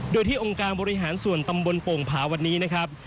โดยที่องค์การบริหารส่วนตำบลโป่งผาวันนี้นะครับ